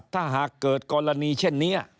ถ้าหากเกิดกรณีเช่นนี้